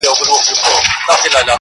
• څه زلمۍ شپې وې شرنګ د پایلو -